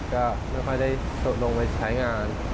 ก็ไม่ค่อยได้ลงไปใช้งาน